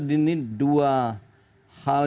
ini dua hal